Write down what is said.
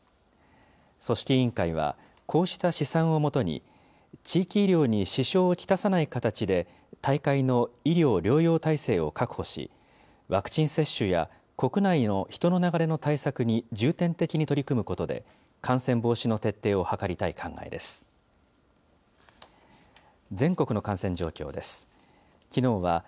組織委員会は、こうした試算を基に、地域医療に支障をきたさない形で、大会の医療・療養体制を確保し、ワクチン接種や国内の人の流れの対策に重点的に取り組むことで、感染防止の徹底を図りたい考えです。